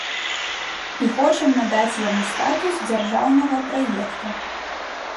І хочам надаць яму статус дзяржаўнага праекта.